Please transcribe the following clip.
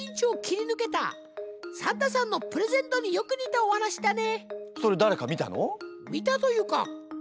サンタさんのプレゼントによく似たお話だね。